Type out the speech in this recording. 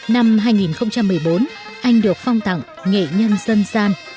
năm hai nghìn một mươi bốn anh được phong tặng nghệ nhân dân gian